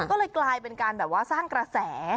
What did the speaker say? ก็เลยกลายเป็นการสร้างกระแส